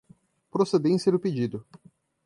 procedência do pedido